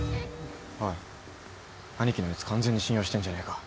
おいアニキのやつ完全に信用してんじゃねえか。